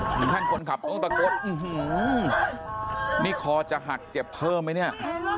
เหมือนท่านคนขับต้องตะกดอื้ยหือนี่คอจะหักเจ็บเพิ่มไหมเนี้ย